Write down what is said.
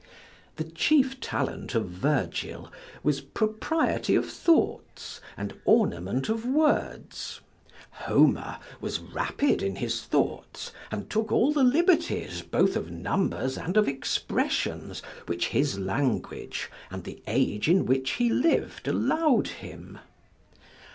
The chief talent of Virgil was propriety of thoughts, and ornament of words; Homer was rapid in his thoughts, and took all the liberties, both of numbers and of expressions, which his language, and the age in which he liv'd, allow'd him.